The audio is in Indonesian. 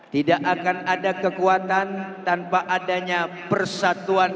tidak akan ada kekuatan tanpa adanya persatuan